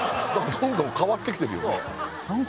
どんどん変わってきてるよね